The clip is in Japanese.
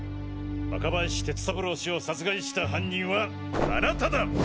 若林哲三郎氏を殺害した犯人はあなただ！